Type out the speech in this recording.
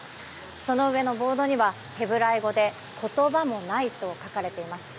その上のボードにはヘブライ語で「言葉もない」と書かれています。